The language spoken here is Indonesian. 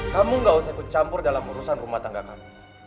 kamu gak usah ikut campur dalam urusan rumah tangga kami